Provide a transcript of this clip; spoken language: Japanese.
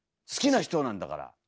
好きな人なんだから！